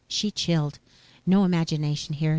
She chilled. No imagination here.